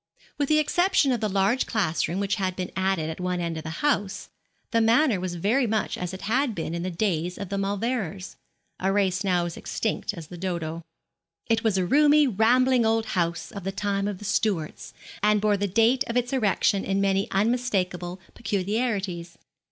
With the exception of the large classroom which had been added at one end of the house, the manor was very much as it had been in the days of the Mauleverers, a race now as extinct as the Dodo. It was a roomy, rambling old house of the time of the Stuarts, and bore the date of its erection in many unmistakable peculiarities.